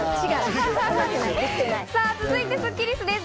続いて、スッキりすです。